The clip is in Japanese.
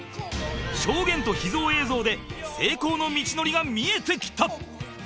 証言と秘蔵映像で成功の道のりが見えてきた！